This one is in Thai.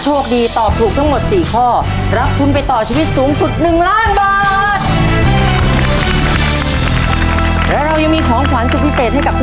จะได้โบนัสกลับไปเท่าไหร่